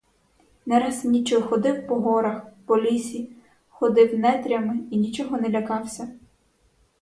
Не раз ніччю ходив по горах, по лісі, ходив нетрями і нічого не лякався.